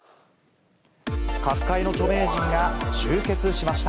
各界の著名人が集結しました。